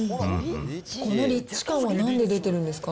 このリッチ感はなんで出てるんですか。